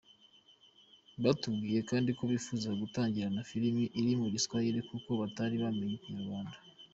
Batubwiye kandi ko bifuza gutangirana filime iri mu Giswahili kuko batari bamenya Ikinyarwanda.